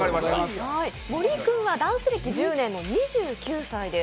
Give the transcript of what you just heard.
森君はダンス歴１０年の２９歳です。